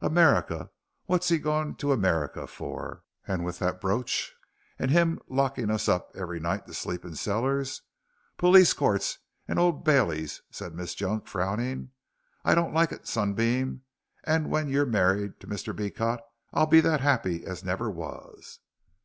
America what's he going to America for? and with that brooch, and him locking us up every night to sleep in cellars. Police courts and Old Baileys," said Miss Junk, frowning. "I don't like it, Sunbeam, and when you're married to Mr. Beecot I'll be that happy as never was."